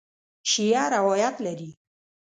شیعه روایت لري.